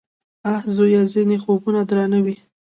_اه ! زويه! ځينې خوبونه درانه وي.